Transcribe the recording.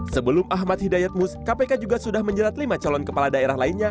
sebelum ahmad hidayat mus kpk juga sudah menjerat lima calon kepala daerah lainnya